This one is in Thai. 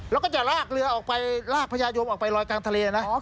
แล้วก็จะลากเรือออกไปลากพญายมออกไปลอยกลางทะเลนะ